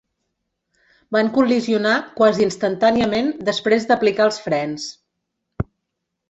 Van col·lisionar quasi instantàniament després d'aplicar els frens.